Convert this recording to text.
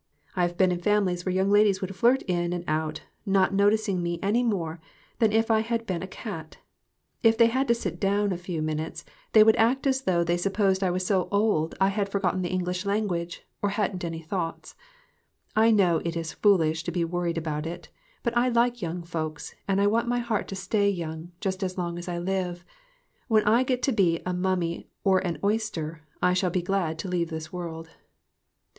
I have been in families where young ladies would flirt in and out, not noticing me any more than if I had been a cat. If they had to sit down a few minutes, 28 GOOD BREAD AND GOOD MEETINGS. they would act as though they supposed I was so old I had forgotten the English language, or hadn't any thoughts. I know it is foolish to be worried about it, but I like young folks, and I want my heart to stay young just as long as I live. When I get to be a mummy or an oyster, I shall be glad to leave this world.